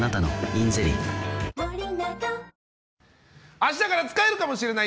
明日から使えるかもしれない！？